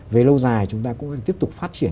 về lâu dài chúng ta cũng cần tiếp tục phát triển